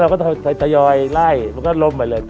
แล้วก็ไถยยอยไล่และก็ล่มไปเลย